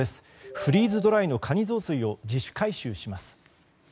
フリーズドライのかにぞうすいを自主回収します。